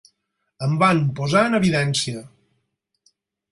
Em van posar en evidència.